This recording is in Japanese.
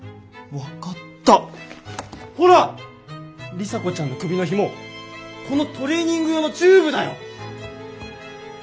里紗子ちゃんの首のひもこのトレーニング用のチューブだよ！